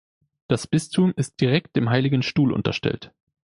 Das Bistum ist direkt dem Heiligen Stuhl unterstellt.